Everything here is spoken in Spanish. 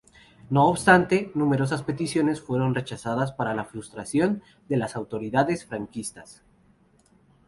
No obstante, numerosas peticiones fueron rechazadas para frustración de las autoridades franquistas.